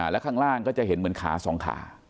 แล้วข้างล่างก็จะเห็นเหมือนขาสองขา